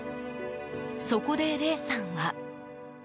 そこで、玲さんは。